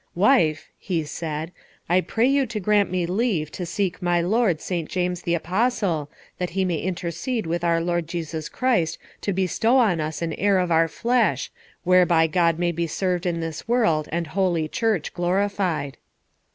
"Wife," he said, "I pray you to grant me leave to seek my lord St. James the Apostle, that he may intercede with our Lord Jesus Christ to bestow on us an heir of our flesh, whereby God may be served in this world and Holy Church glorified."